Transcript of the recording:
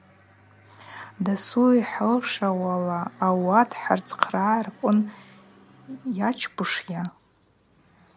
Дасу йхӏылшауала ауат хӏырцхърыгӏарквын йачпушйа?